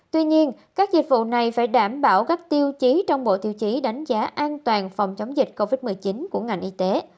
tuy nhiên các dịch vụ này phải đảm bảo các tiêu chí trong bộ tiêu chí đánh giá an toàn phòng chống dịch covid một mươi chín của ngành y tế